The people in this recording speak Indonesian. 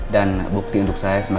dan bukti untuk saya semakin banyak